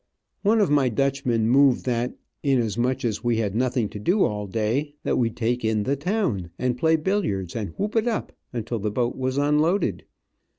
One of my Dutchmen moved that, inasmuch as we had nothing to do all day, that we take in the town, and play billiards, and whoop it up until the boat was unloaded.